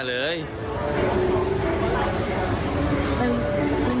หนึ่งหนึ่งหนึ่ง